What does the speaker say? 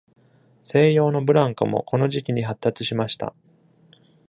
西洋のブランコもこの時期に発達しました。